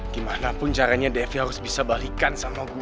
dimanapun caranya devi harus bisa balikkan sama aku